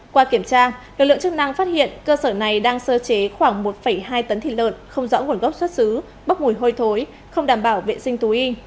qua kiểm tra lực lượng chức năng phát hiện cơ sở này đang sơ chế khoảng một hai tấn thịt lợn không rõ nguồn gốc xuất xứ bốc mùi hôi thối không đảm bảo vệ sinh thú y